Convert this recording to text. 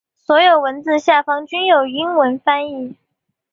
所有文字下方均有英文翻译。